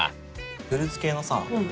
フルーツ系のさ。